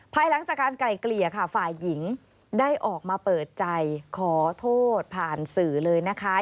ภายหลังจากการไก่เกลี่ยค่ะฝ่ายหญิงได้ออกมาเปิดใจขอโทษผ่านสื่อเลยนะคะ